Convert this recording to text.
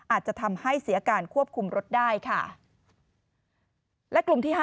อาจจะทำให้เสียการควบคุมรถได้ค่ะ